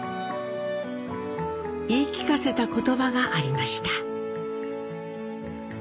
言い聞かせた言葉がありました。